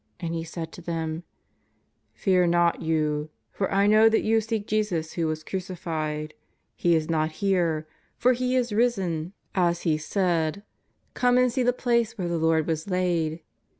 And he said to them :" Fear not you, for I know that you seek Jesus who was crucified. He is not here, for He is risen as He * Ps. 93. 378 JESUS OF NAZARETH. said. Come and see the place where the Lord was hiid.